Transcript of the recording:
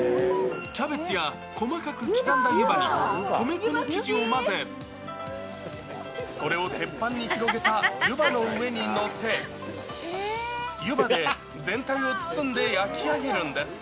キャベツや細かく刻んだ湯葉に、米粉の生地を混ぜ、それを鉄板に広げた湯葉の上に載せ、湯葉で全体を包んで焼き上げるんです。